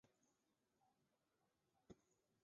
卡瓦隆伊什是葡萄牙布拉加区的一个堂区。